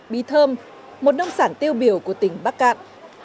bí thơm một nông sản tiêu biểu của tỉnh bắc cạn